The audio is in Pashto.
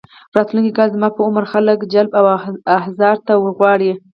راتلونکي کال زما په عمر خلک جلب او احضار ته ورغواړي.